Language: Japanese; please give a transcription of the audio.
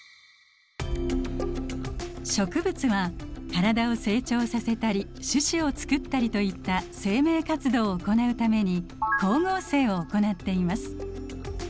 植物は体を成長させたり種子を作ったりといった生命活動を行うために光合成を行っています。